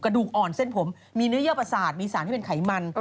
ดูอ่อนเส้นผมมีเนื้อเยื่อประสาทมีสารที่เป็นไขมัน